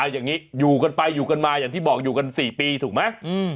อย่างนี้อยู่กันไปอยู่กันมาอย่างที่บอกอยู่กัน๔ปีถูกไหม